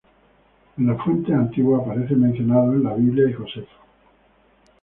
En las fuentes antiguas aparece mencionado en la Biblia y Josefo.